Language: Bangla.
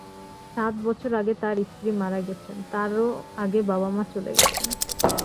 সাত বছর আগে তাঁর স্ত্রী মারা গেছেন, তারও আগে বাবা-মা চলে গেছেন।